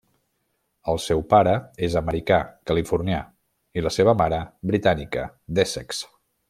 El seu pare és americà, californià, i la seva mare britànica, d'Essex.